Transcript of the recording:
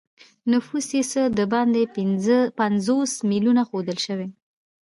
نفوس یې څه د باندې پنځوس میلیونه ښودل شوی.